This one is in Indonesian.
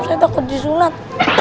saya takut disunat